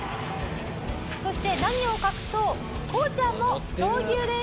そして何を隠そうこうちゃんも闘牛です！